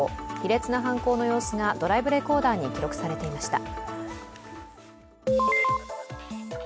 卑劣な犯行の様子がドライブレコーダーに記録されていました。